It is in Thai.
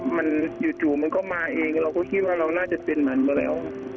มันจู่มันก็มาเองเราก็คิดว่าเราน่าจะเป็นมันก็แล้ว